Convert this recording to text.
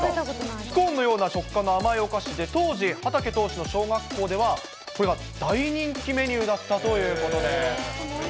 スコーンのような食感の甘いお菓子で、当時、畠投手の小学校では、これが大人気メニューだったということです。